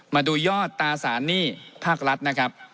มาดูยอดตราสารหนี้ภาครัฐนะครับ